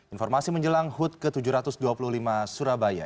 informasi menjelang hut ke tujuh ratus dua puluh lima surabaya